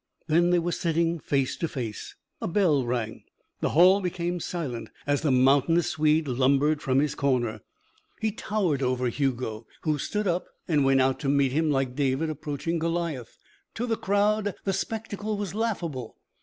Then they were sitting face to face. A bell rang. The hall became silent as the mountainous Swede lumbered from his corner. He towered over Hugo, who stood up and went out to meet him like David approaching Goliath. To the crowd the spectacle was laughable.